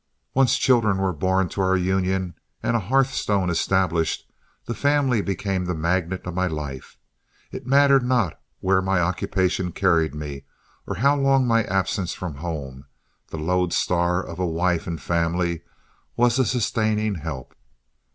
Once children were born to our union and a hearthstone established, the family became the magnet of my life. It mattered not where my occupation carried me, or how long my absence from home, the lodestar of a wife and family was a sustaining help.